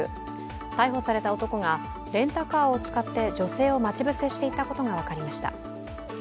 逮捕された男がレンタカーを使って女性を待ち伏せしていたことが分かりました。